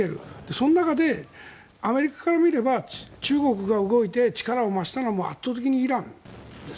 その中で、アメリカから見れば中国が動いて力を増したのも圧倒的にイランです。